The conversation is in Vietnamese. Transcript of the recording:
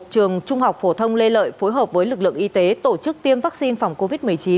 trường trung học phổ thông lê lợi phối hợp với lực lượng y tế tổ chức tiêm vaccine phòng covid một mươi chín